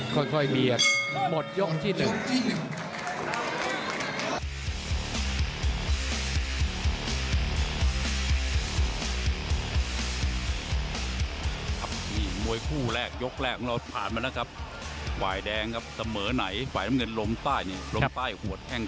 ค่อยเบียกหมดยกที่หนึ่ง